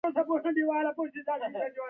ځکه کارګر باید لږ وخت په ډوډۍ خوړلو ولګوي